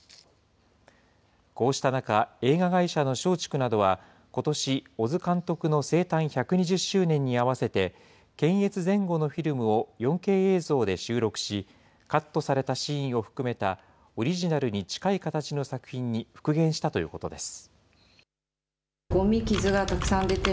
こうした中、映画会社の松竹などは、ことし、小津監督の生誕１２０周年に合わせて、検閲前後のフィルムを４Ｋ映像で収録し、カットされたシーンを含めた、オリジナルに近い形の作品に復元したということです。